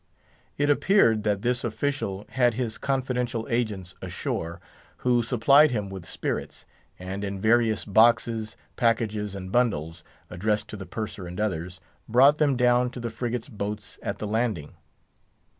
It appeared that this official had his confidential agents ashore, who supplied him with spirits, and in various boxes, packages, and bundles—addressed to the Purser and others—brought them down to the frigate's boats at the landing.